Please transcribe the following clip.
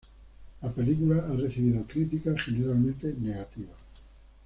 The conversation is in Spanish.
La película ha recibido críticas generalmente negativas.